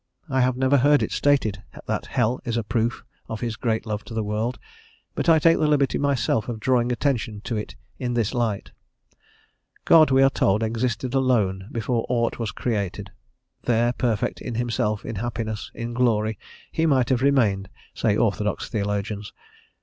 I have never heard it stated that hell is a proof of his great love to the world, but I take the liberty myself of drawing attention to it in this light. God, we are told, existed alone before ought was created; there perfect in himself, in happiness, in glory, he might have remained, say orthodox theologians.